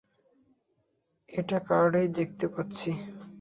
এই কার্ডেই দেখতে পাচ্ছি।